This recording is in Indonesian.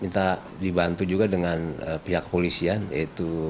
minta dibantu juga dengan pihak kepolisian yaitu